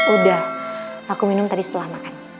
udah aku minum tadi setelah makan